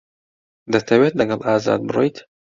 دەتەوێت لەگەڵ ئازاد بڕۆیت؟